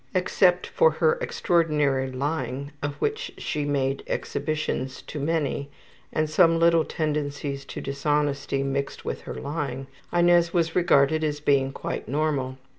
Except for her extraordinary lying, of which she made exhibitions to many, and some little tendencies to dishonesty mixed with her lying, Inez was regarded as being quite normal.